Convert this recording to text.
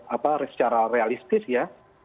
apa secara realistis ya